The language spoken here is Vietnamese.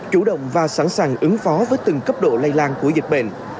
chủ động và sẵn sàng ứng phó với từng cấp độ lây lan của dịch bệnh